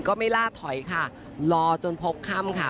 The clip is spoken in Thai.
ก็ไม่ล่าถอยค่ะรอจนพบค่ำค่ะ